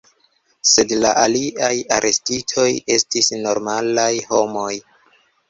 Sed la aliaj arestitoj estis normalaj homoj.